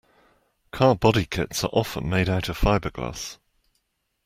Car body kits are often made out of fiberglass.